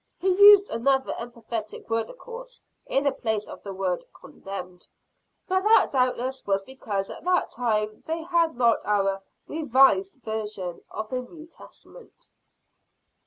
He used another emphatic word of course, in the place of the word condemned; but that doubtless was because at that time they had not our "revised version" of the New Testament.